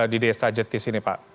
di desa jetis ini pak